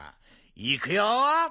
いくよ。